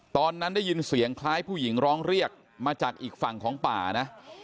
ตอนนั้นได้ยินเสียงคล้ายผู้หญิงร้องเรียกมาจากอีกฝั่งของป่านะ